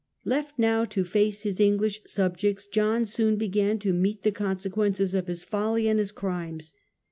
Left now to face his English subjects, John soon began to meet the consequences of his folly and his crimes.